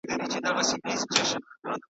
اوس مي پر لکړه هغه لاري ستړي کړي دي .